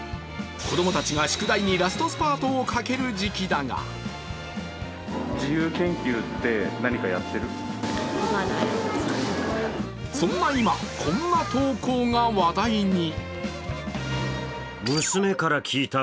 子供たちが宿題にラストスパートをかける時期だがそんな今、こんな投稿が話題に。